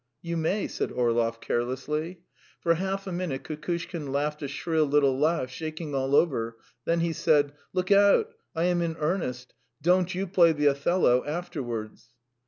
"You may ..." said Orlov carelessly. For half a minute Kukushkin laughed a shrill little laugh, shaking all over, then he said: "Look out; I am in earnest! Don't you play the Othello afterwards!"